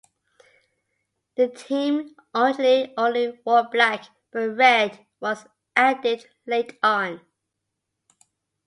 The team originally only wore black, but red was added late on.